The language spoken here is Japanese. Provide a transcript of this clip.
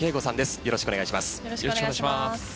よろしくお願いします。